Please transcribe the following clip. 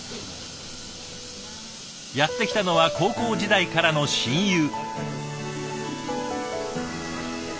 やって来たのは高校時代からの親友。